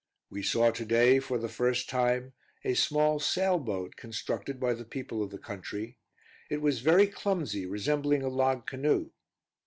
We saw to day, for the first time, a small sail boat, constructed by the people of the country; it was very clumsy, resembling a log canoe.